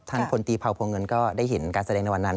พลตีเผาพวงเงินก็ได้เห็นการแสดงในวันนั้น